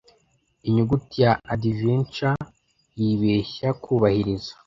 inyuguti ya adventure yibeshya kubahiriza